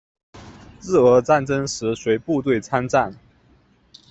日俄战争时随部队参战。